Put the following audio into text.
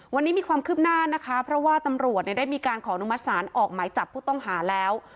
วันนี้มีความคืบหน้านะคะเพราะว่าตำรวจได้มีการขออนุมัติศาลออกหมายจับผู้ต้องหาแล้ว